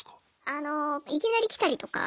あのいきなり来たりとか。